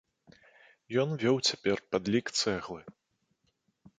Ён вёў цяпер падлік цэглы.